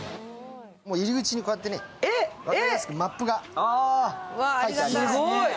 入り口にこうやって分かりやすいマップが描いてある。